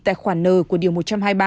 tại khoản nờ của điều một trăm hai mươi ba